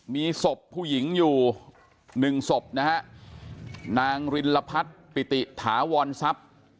มีศพผู้หญิงอยู่หนึ่งศพนะฮะนางรินลพัฒน์ปิติถาวรทรัพย์